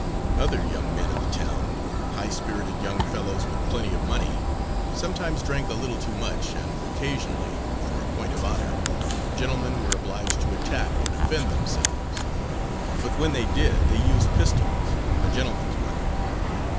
Other young men in the town, high spirited young fellows with plenty of money, sometimes drank a little too much, and occasionally, for a point of honour, gentlemen were obliged to attack or defend themselves, but when they did, they used pistols, a gentleman's weapon.